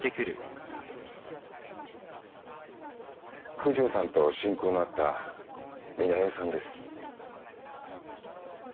九条さんと親交のあった三奈代さんです。